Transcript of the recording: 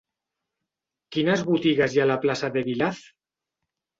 Quines botigues hi ha a la plaça d'Eguilaz?